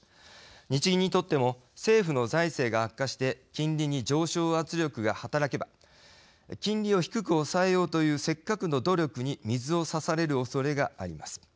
日銀にとっても政府の財政が悪化して金利に上昇圧力が働けば金利を低く抑えようというせっかくの努力に水を差されるおそれがあります。